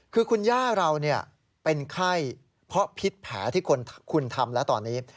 คือคุณย่าเราเป็นไข้เพราะพิษแผลที่คุณทำแล้วตอนนี้